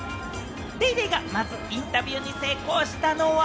『ＤａｙＤａｙ．』がまずインタビューに成功したのは。